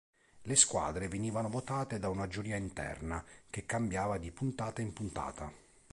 Le squadre venivano votate da una giuria interna che cambiava di puntata in puntata.